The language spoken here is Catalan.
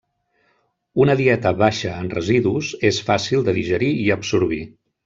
Una dieta baixa en residus és fàcil de digerir i absorbir.